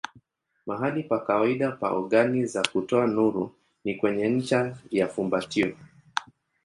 Mahali pa kawaida pa ogani za kutoa nuru ni kwenye ncha ya fumbatio.